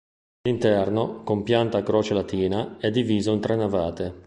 L'interno, con pianta a croce latina, è diviso in tre navate.